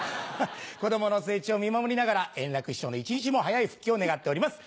子供の成長を見守りながら円楽師匠の一日も早い復帰を願っております。